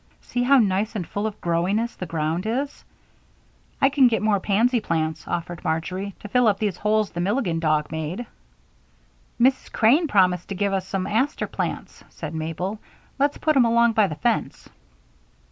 See how nice and full of growiness the ground is." "I can get more pansy plants," offered Marjory, "to fill up these holes the Milligan dog made." "Mrs. Crane promised to give us some aster plants," said Mabel. "Let's put 'em along by the fence."